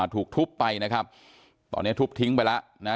ถูกทุบไปนะครับตอนนี้ทุบทิ้งไปแล้วนะ